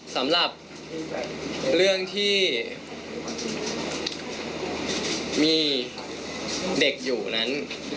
สำหรับเรื่องที่มีเด็กอยู่นั้น